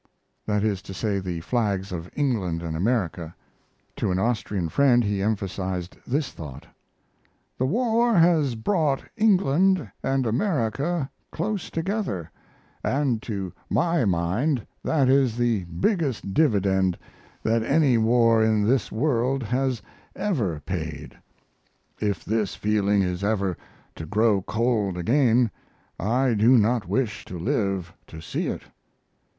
That is to say, the flags of England and America. To an Austrian friend he emphasized this thought: The war has brought England and America close together and to my mind that is the biggest dividend that any war in this world has ever paid. If this feeling is ever to grow cold again I do not wish to live to see it.